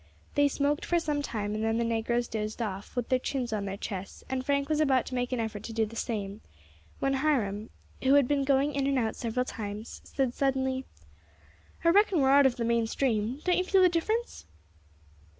They smoked for some time, and then the negroes dozed off, with their chins on their chests; and Frank was about to make an effort to do the same, when Hiram, who had been going in and out several times, said suddenly, "I reckon we are out of the main stream; don't you feel the difference?"